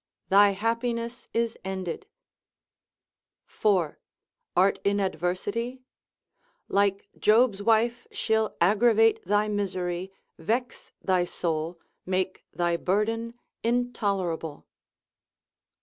thy happiness is ended.—4. Art in adversity? like Job's wife she'll aggravate thy misery, vex thy soul, make thy burden intolerable.